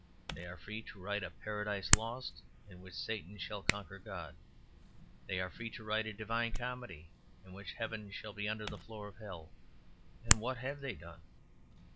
They are free to write a "Paradise Lost" in which Satan shall conquer God. They are free to write a "Divine Comedy" in which heaven shall be under the floor of hell. And what have they done?